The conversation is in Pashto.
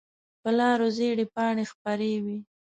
په لارو زېړې پاڼې خپرې وي